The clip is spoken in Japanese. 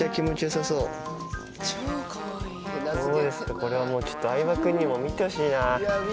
これはもう相葉君にも見てほしいな。